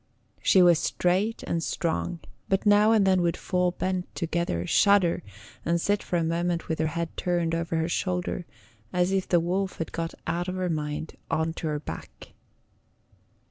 She was straight and strong, but now and then would fall bent together, shudder, and sit for a moment with her head turned over her shoulder, as if the wolf had got out of her mind on to her back.